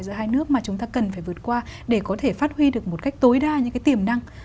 giữa hai nước mà chúng ta cần phải vượt qua để có thể phát huy được một cách tối đa những cái tiềm năng